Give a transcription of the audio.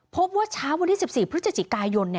พบว่าเช้าวันที่๑๔พฤศจิกายน